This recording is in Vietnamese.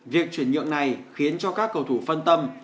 việc chuyển nhượng này khiến cho các cầu thủ phân tâm